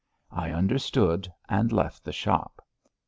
I understood and left the shop.